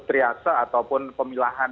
trilasa ataupun pemilahan